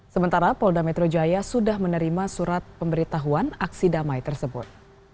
sementara polda metro jaya sudah menerima surat pemberitahuan aksi damai tersebut